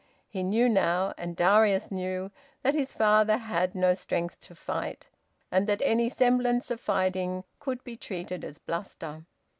He knew now, and Darius knew, that his father had no strength to fight, and that any semblance of fighting could be treated as bluster.